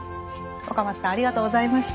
若松さんありがとうございました。